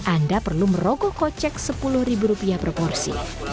anda perlu merogoh kocek sepuluh ribu rupiah per porsi